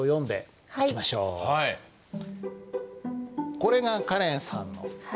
これがカレンさんの詩ですね。